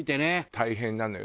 大変なのよ。